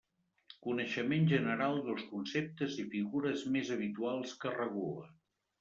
Coneixement general dels conceptes i figures més habituals que regula.